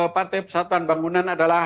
partai persatuan bangunan adalah